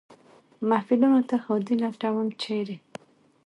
محفلونو ته ښادي لټوم ، چېرې ؟